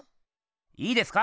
いいですか？